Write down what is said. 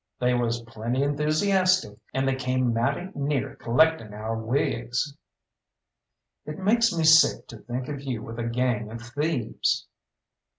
They was plenty enthoosiastic, and they came mighty near collecting our wigs." "It makes me sick to think of you with a gang of thieves."